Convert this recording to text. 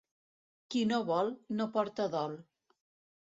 Qui no vol, no porta dol.